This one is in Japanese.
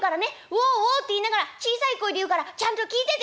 『ウォウォ』って言いながら小さい声で言うからちゃんと聞いててよ」。